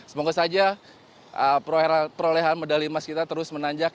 semoga saja perolehan medali emas kita terus menanjak